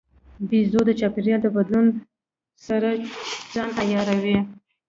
بیزو د چاپېریال د بدلون سره ځان عیاروي.